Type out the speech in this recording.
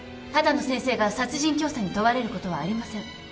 秦野先生が殺人教唆に問われることはありません。